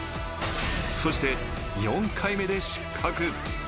そして、４回目で失格。